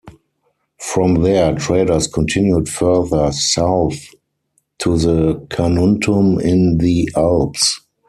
From there, traders continued further south to Carnuntum in the Alps.